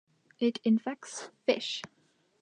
It infects fish.